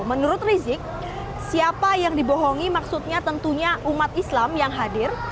menurut rizik siapa yang dibohongi maksudnya tentunya umat islam yang hadir